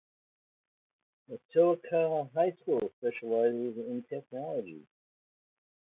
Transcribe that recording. Matoaca High School specializes in technology.